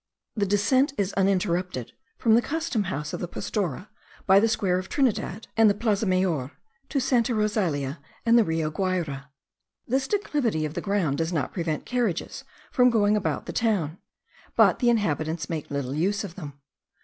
The descent is uninterrupted from the custom house of the Pastora, by the square of Trinidad and the Plaza Mayor, to Santa Rosalia, and the Rio Guayra. This declivity of the ground does not prevent carriages from going about the town; but the inhabitants make little use of them.